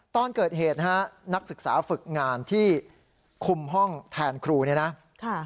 ตอนเกิดเหตุนะฮะนักศึกษาฝึกงานที่คุมห้องแทนครูเนี่ยนะ